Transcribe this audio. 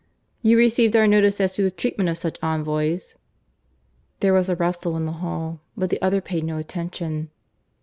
"You received our notice as to the treatment of such envoys?" (There was a rustle in the hall, but the other paid no attention.)